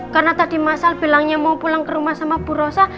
karena tadi masal bilangnya mau pulang ke rumah sama bu rosa